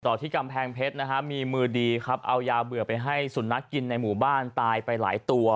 ที่กำแพงเพชรนะฮะมีมือดีครับเอายาเบื่อไปให้สุนัขกินในหมู่บ้านตายไปหลายตัว